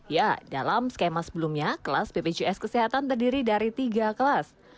ya dalam skema sebelumnya kelas bpjs kesehatan terdiri dari tiga kelas